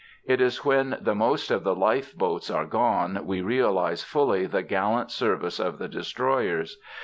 It is when the most of the life boats are gone we realize fully the gallant service of the destroyers.